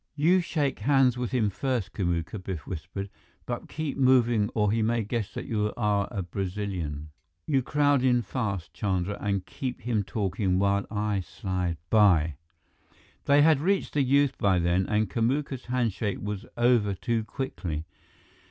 "You shake hands with him first, Kamuka," Biff whispered, "but keep moving or he may guess that you are a Brazilian. You crowd in fast, Chandra, and keep him talking while I slide by " They had reached the youth by then, and Kamuka's handshake was over too quickly.